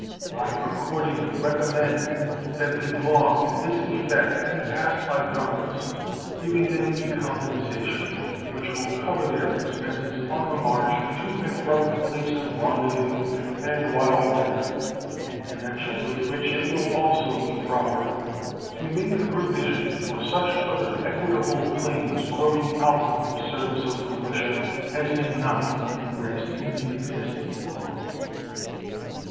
I accordingly recommend that a law to this effect be passed by Congress, giving them a compensation which will cover their expenses on the march to and from the place of rendezvous and while there; in connection with which it will also be proper to make provision for such other equitable claims growing out of the service of the militia as may not be embraced in the existing laws.